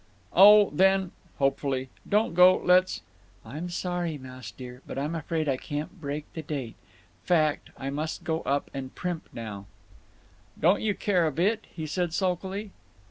"Oh, then," hopefully, "don't go. Let's—" "I'm sorry, Mouse dear, but I'm afraid I can't break the date…. Fact, I must go up and primp now—" "Don't you care a bit?" he said, sulkily.